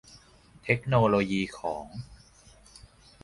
เทคโนโลยีของ